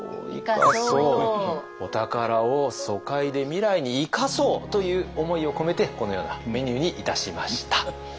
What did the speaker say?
お宝を疎開で未来に生かそうという思いを込めてこのようなメニューにいたしました。